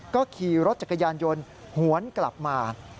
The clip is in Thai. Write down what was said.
ก็ขี่รถจักรยานยนต์หวนกลับมา